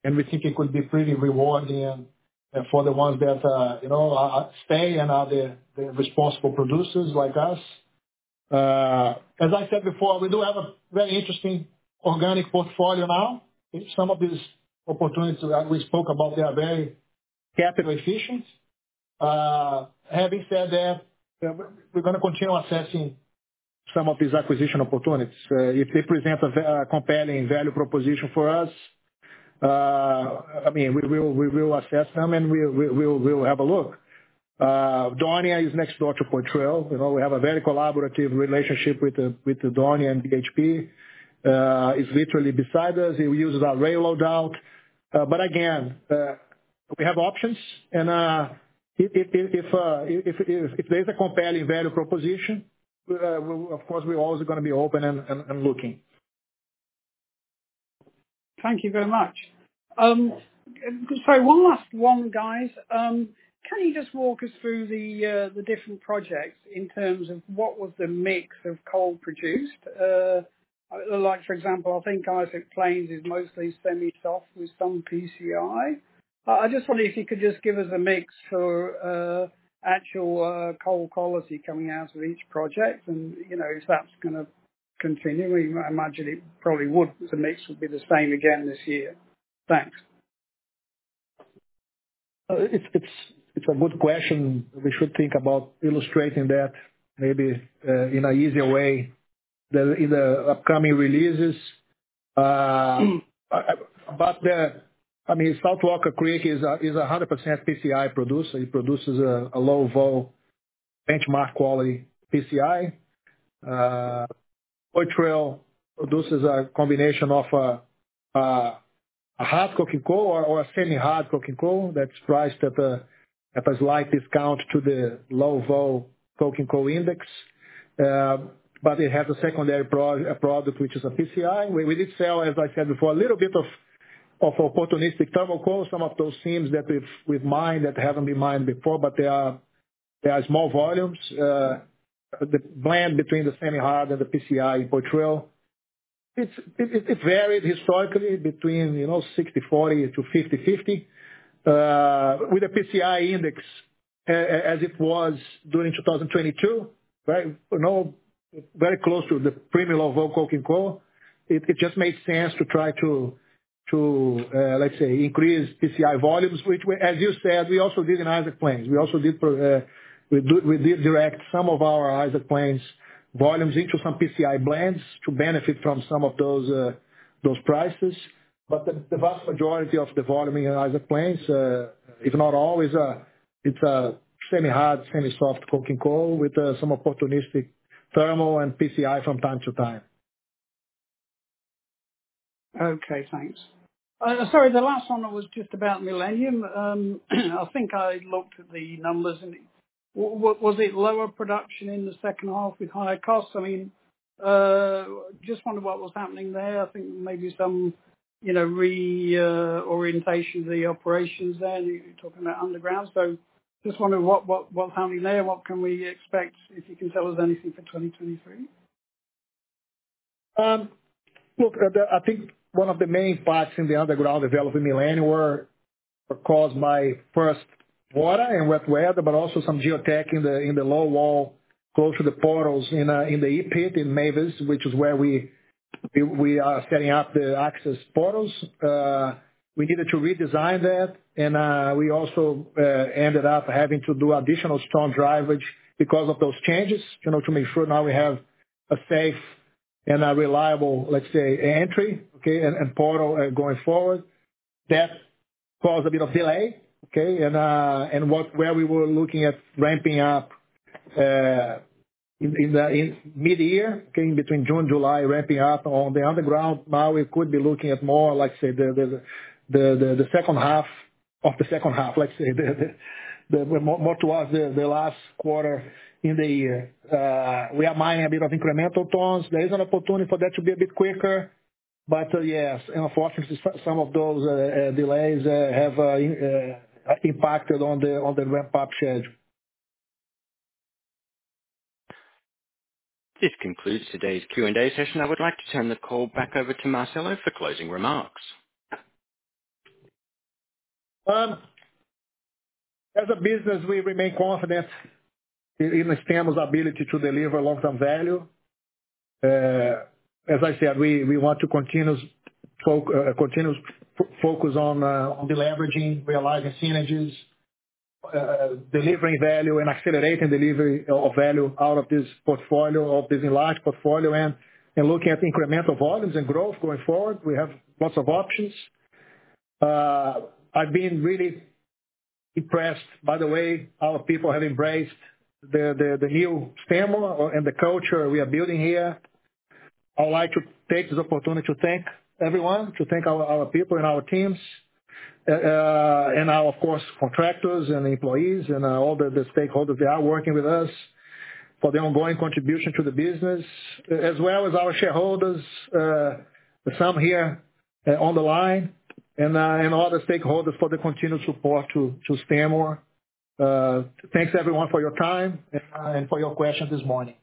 and we think it could be pretty rewarding and for the ones that stay and are the responsible producers like us. As I said before, we do have a very interesting organic portfolio now. Some of these opportunities that we spoke about, they are very capital efficient. Having said that, we're gonna continue assessing some of these acquisition opportunities. If they present a compelling value proposition for us, I mean, we will assess them, and we'll have a look. Daunia is next door to Poitrel., we have a very collaborative relationship with the Daunia and BHP. It's literally beside us. It uses our rail load out. But again, we have options and, if there's a compelling value proposition, we'll of course we're always gonna be open and looking. Thank you very much. Sorry, one last one, guys. Can you just walk us through the different projects in terms of what was the mix of coal produced? Like for example, I think Isaac Plains is mostly semi-soft with some PCI. I just wonder if you could just give us a mix for actual coal quality coming out of each project and if that's gonna continue. I imagine it probably would. The mix would be the same again this year. Thanks. It's a good question. We should think about illustrating that maybe, in an easier way than in the upcoming releases. I mean, South Walker Creek is a 100% PCI producer. It produces a low vol benchmark quality PCI. Poitrel produces a combination of a hard coking coal or a semi-hard coking coal that's priced at a slight discount to the low vol coking coal index. It has a secondary product which is a PCI. We did sell, as I said before, a little bit of opportunistic thermal coal. Some of those seams that we've mined that haven't been mined before, but they are small volumes. The blend between the semi-hard and the PCI in Poitrel, it varied historically between 60/40 to 50/50. With the PCI index as it was during 2022, very very close to the premium of coking coal. It just made sense to try to let's say increase PCI volumes, which we, as you said, we also did in Isaac Plains. We also did, we did direct some of our Isaac Plains volumes into some PCI blends to benefit from some of those prices. The vast majority of the volume in Isaac Plains, if not all, is semi-hard/semi-soft coking coal with some opportunistic thermal and PCI from time to time. Okay, thanks. Sorry, the last one was just about Millennium. I think I looked at the numbers, and was it lower production in the H2 with higher costs? I mean, just wondering what was happening there. I think maybe some orientation of the operations there. You're talking about underground. Just wondering what's happening there. What can we expect, if you can tell us anything for 2023? Look, I think one of the main parts in the underground development Millennium were caused by first water and wet weather, but also some geotech in the low wall, close to the portals in the E pit in Mavis, which is where we are setting up the access portals. We needed to redesign that and we also ended up having to do additional strong driveage because of those changes to make sure now we have a safe and a reliable, let's say, entry, okay, and portal going forward. That caused a bit of delay, okay? Where we were looking at ramping up in mid-year, okay, in between June and July, ramping up on the underground. We could be looking at more like say the H2 of the H2. Let's say, the more towards the last quarter in the year. We are mining a bit of incremental tons. There is an opportunity for that to be a bit quicker. Yes, unfortunately some of those delays have impacted on the ramp-up schedule. This concludes today's Q&A session. I would like to turn the call back over to Marcelo for closing remarks. As a business, we remain confident in Stanmore's ability to deliver long-term value. As I said, we want to continuous focus on deleveraging, realizing synergies, delivering value, and accelerating delivery of value out of this portfolio, of this enlarged portfolio, and looking at incremental volumes and growth going forward. We have lots of options. I've been really impressed by the way our people have embraced the new Stanmore and the culture we are building here. I'd like to take this opportunity to thank everyone, to thank our people and our teams, and our, of course, contractors and employees and all the stakeholders that are working with us for the ongoing contribution to the business, as well as our shareholders, some here on the line and all the stakeholders for the continued support to Stanmore. Thanks everyone for your time and for your questions this morning.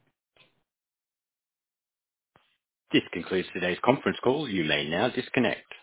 This concludes today's conference call. You may now disconnect.